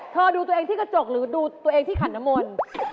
ดูตัวเองที่กระจกหรือดูตัวเองที่ขันน้ำมนต์